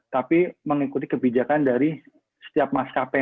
tapi mengikuti kebijakan dari setiap maskapai